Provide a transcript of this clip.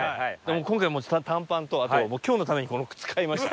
今回はもう下は短パンとあと今日のためにこの靴買いました。